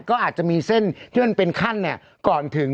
ก็อาจจะมีเส้นที่มันเป็นขั้นก่อนถึง